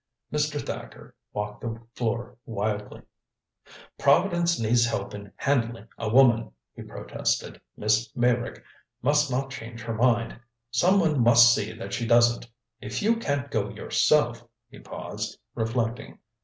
Mr. Thacker walked the floor wildly. "Providence needs help in handling a woman," he protested. "Miss Meyrick must not change her mind. Some one must see that she doesn't. If you can't go yourself " He paused, reflecting.